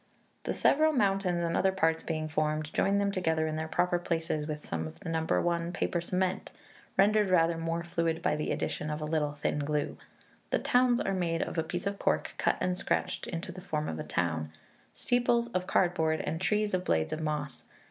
The several mountains and other parts being formed, join them together in their proper places with some of the No. i. paper cement, rendered rather more fluid by the addition of a little thin glue. The towns are made of a piece of cork, cut and scratched to the form of the town; steeples of cardboard, and trees of blades of moss.